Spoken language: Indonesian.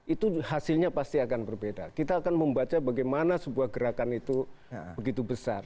itu hasilnya pasti akan berbeda kita akan membaca bagaimana sebuah gerakan itu begitu besar